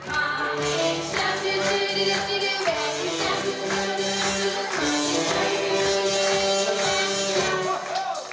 aisyah mau jadi dokter siapa lagi